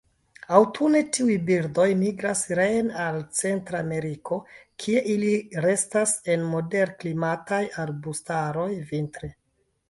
Aŭtune tiuj birdoj migras reen al Centrameriko, kie ili restas en moderklimataj arbustaroj vintre.